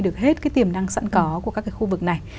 được hết cái tiềm năng sẵn có của các cái khu vực này